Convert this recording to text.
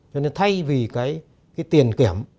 cho nên thay vì cái tiền kiểm